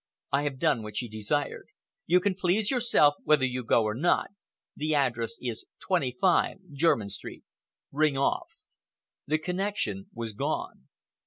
"I have done what she desired. You can please yourself whether you go or not. The address is 25, Jermyn Street. Ring off." The connection was gone.